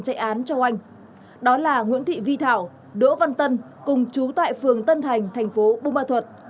chạy án cho oanh đó là nguyễn thị vi thảo đỗ văn tân cùng chú tại phường tân thành tp bùn ma thuật